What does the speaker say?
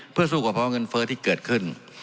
เพื่อสู้กับเพราะเงินเฟ้อที่เกิดขึ้น